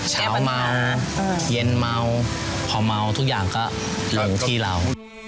เช้ามาเย็นเมาพอเมาทุกอย่างก็อยู่ที่เรา